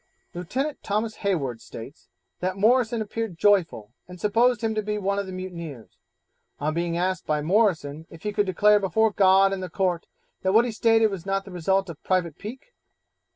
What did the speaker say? Lieutenant Thomas Hayward states, that Morrison appeared joyful, and supposed him to be one of the mutineers; on being asked by Morrison if he could declare before God and the Court that what he stated was not the result of a private pique?